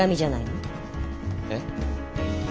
えっ？